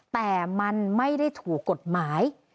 แต่มันไม่ได้ถูกกฎหมาย